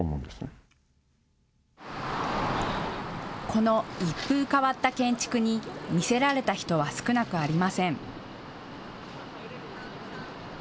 この一風変わった建築に魅せられた人は少なくありません。